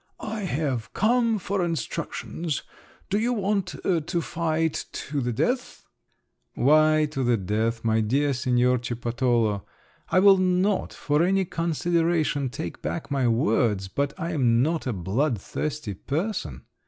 "I have come for instructions. Do you want to fight to the death?" "Why to the death, my dear Signor Cippatola? I will not for any consideration take back my words—but I am not a bloodthirsty person!